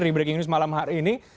di breaking news malam hari ini